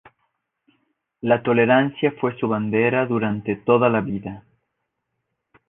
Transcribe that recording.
La Tolerancia fue su bandera durante toda la vida.